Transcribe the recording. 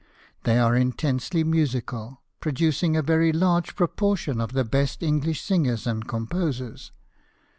They are intensely musical, producing a very large proportion of the best English singers and composers.